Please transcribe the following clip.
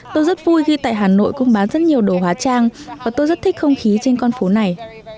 tôi rất vui khi tại hà nội cũng bán rất nhiều đồ hóa trang và tôi rất thích không khí trên con phố này